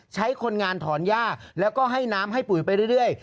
ใช้คนงานถอนหญ้าแล้วก็ให้น้ำให้ปุ๋ยไปเรื่อยเรื่อย